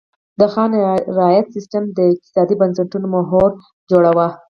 د خان رعیت سیستم د اقتصادي بنسټونو محور جوړاوه.